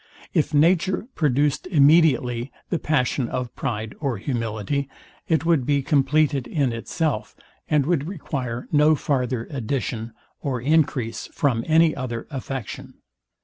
If nature produced immediately the passion of pride or humility, it would be compleated in itself, and would require no farther addition or encrease from any other affection.